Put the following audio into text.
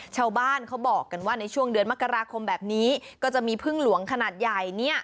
ชาวบ้านเขาบอกกันว่าในช่วงเดือนมกราคมแบบนี้ก็จะมีพึ่งหลวงขนาดใหญ่เนี่ย